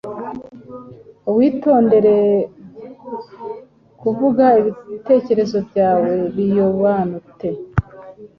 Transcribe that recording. Witondere kuvuga ibitekerezo byawe biobanute